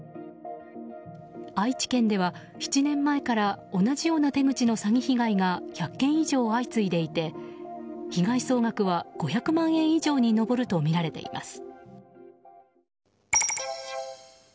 愛知県では７年前から同じような手口の詐欺被害が１００件以上相次いでいて被害総額は５００万円以上に上るとみられています。